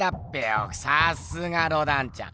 さすがロダンちゃん。